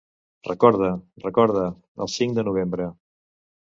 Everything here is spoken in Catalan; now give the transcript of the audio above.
Recorda, recorda, el cinc de novembre!